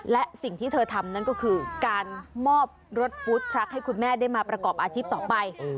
และสิ่งที่เธอทำนั่นก็คือการมอบรถฟู้ดชักให้คุณแม่ได้มาประกอบอาชีพต่อไป